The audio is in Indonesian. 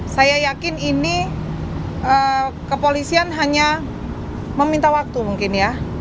saya yakin ini kepolisian hanya meminta waktu mungkin ya